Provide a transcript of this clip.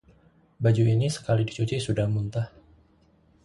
baju ini sekali dicuci sudah muntah